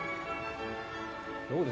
どうです？